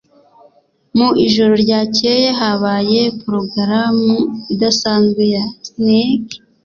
Mu ijoro ryakeye habaye progaramu idasanzwe ya sneak.